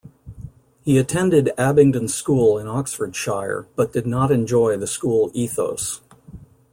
He attended Abingdon School in Oxfordshire, but did not enjoy the school ethos.